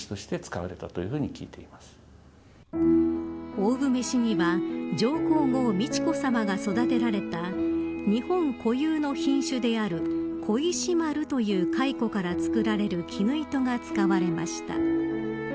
御初召には上皇后美智子さまが育てられた日本固有の品種である小石丸というカイコから作られる絹糸が使われました。